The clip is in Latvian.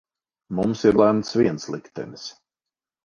Mums ir lemts viens liktenis.